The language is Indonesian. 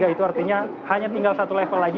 itu artinya hanya tinggal satu level lagi